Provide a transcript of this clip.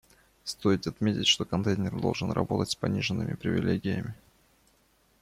Стоит отметить, что контейнер должен работать с пониженными привилегиями